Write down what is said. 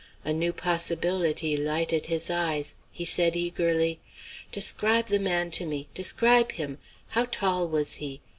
A new possibility lighted his eyes. He said eagerly: "Describe the man to me. Describe him. How tall was he?